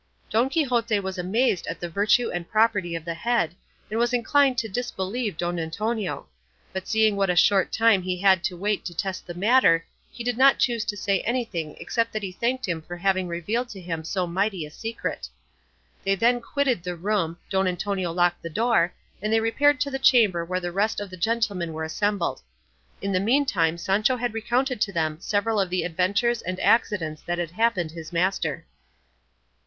Don Quixote was amazed at the virtue and property of the head, and was inclined to disbelieve Don Antonio; but seeing what a short time he had to wait to test the matter, he did not choose to say anything except that he thanked him for having revealed to him so mighty a secret. They then quitted the room, Don Antonio locked the door, and they repaired to the chamber where the rest of the gentlemen were assembled. In the meantime Sancho had recounted to them several of the adventures and accidents that had happened his master.